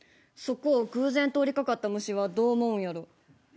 そこを偶然通りかかった虫はどう思うんやろ。